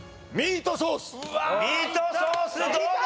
ミートソースどうだ？